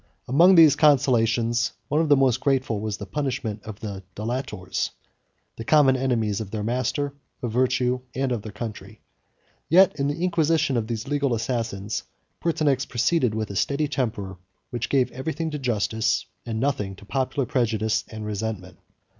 Among these consolations, one of the most grateful was the punishment of the Delators; the common enemies of their master, of virtue, and of their country. Yet even in the inquisition of these legal assassins, Pertinax proceeded with a steady temper, which gave every thing to justice, and nothing to popular prejudice and resentment.